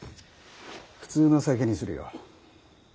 普通の酒にするよ。